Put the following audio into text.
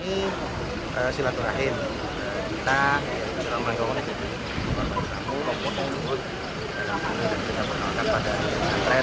kita selama ini kita berpengalaman untuk melakukan pemerintahan pesantren